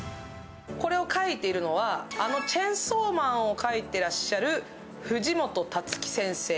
これを描いているのは、「チェンソーマン」を描いていらっしゃる藤本タツキ先生。